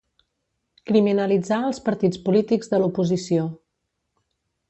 Criminalitzar els partits polítics de l'oposició.